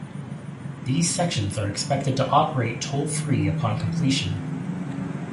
These sections are expected to operate toll-free upon completion.